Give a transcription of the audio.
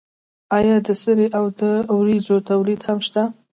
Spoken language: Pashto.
آیا د سرې او وریجو تولید هم نشته؟